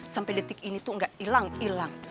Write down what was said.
sampai detik ini tuh gak ilang ilang